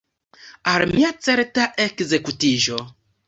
Al mia certa ekzekutiĝo!